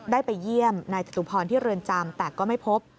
ได้ไปเยี่ยมนายจตุพรที่เรือนจำแต่ก็ไม่พบ